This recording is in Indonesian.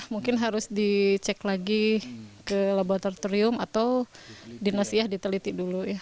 mungkin harus dicek lagi ke laboratorium atau dinasihah diteliti dulu